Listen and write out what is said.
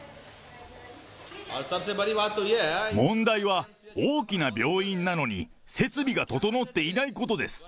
問題は大きな病院なのに、設備が整っていないことです。